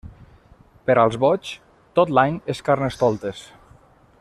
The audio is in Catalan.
Per als boigs, tot l'any és Carnestoltes.